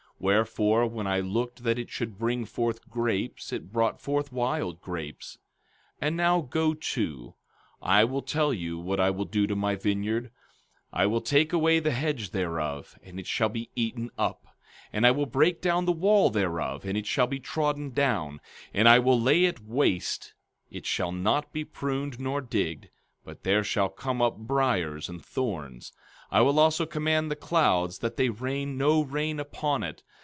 Wherefore, when I looked that it should bring forth grapes it brought forth wild grapes. 15:5 And now go to; I will tell you what I will do to my vineyard—I will take away the hedge thereof, and it shall be eaten up; and I will break down the wall thereof, and it shall be trodden down; 15:6 And I will lay it waste; it shall not be pruned nor digged; but there shall come up briers and thorns; I will also command the clouds that they rain no rain upon it.